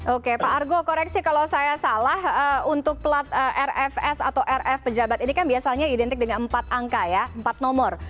oke pak argo koreksi kalau saya salah untuk plat rfs atau rf pejabat ini kan biasanya identik dengan empat angka ya empat nomor